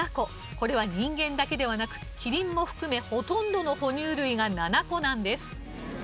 これは人間だけではなくキリンも含めほとんどのほ乳類が７個なんです。